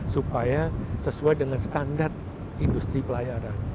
supaya sesuai dengan standar industri pelayaran